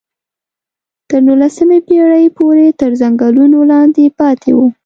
تر نولسمې پېړۍ پورې تر ځنګلونو لاندې پاتې وو.